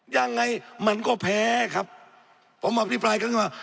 ยังไงมันก็แพ้ครับผมอภิปรายคลิกมา